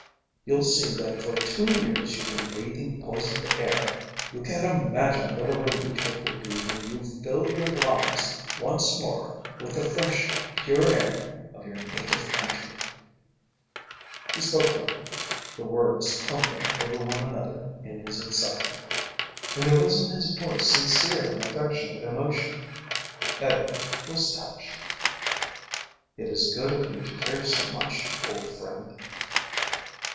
You'll see then that for two years you've been breathing poisoned air. You can't imagine what a relief it will be when you fill your lungs once more with the fresh, pure air of your native country." He spoke quickly, the words tumbling over one another in his excitement, and there was in his voice sincere and affectionate emotion. Edward was touched. "It is good of you to care so much, old friend."